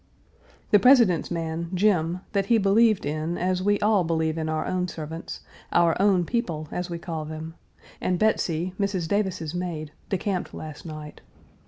The President's man, Jim, that he believed in as we all believe in our own servants, "our own people," as we call them, and Betsy, Mrs. Davis's maid, decamped last night.